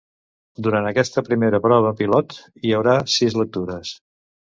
Durant aquesta primera prova pilot hi haurà sis lectures.